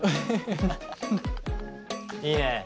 いいね。